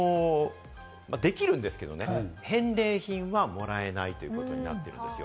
できるんですけれどもね、返礼品はもらえないということになっていますよ。